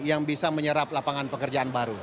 yang bisa menyerap lapangan pekerjaan baru